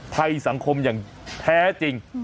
ภัยสังคมอย่างแท้จริง